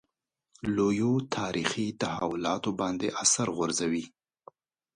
لویو تاریخي تحولاتو باندې اثر غورځوي.